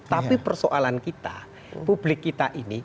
tapi persoalan kita publik kita ini